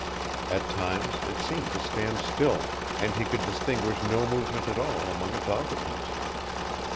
At times it seemed to stand still, and he could distinguish no movement at all among its occupants.